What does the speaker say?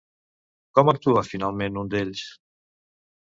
Com actua finalment un d'ells?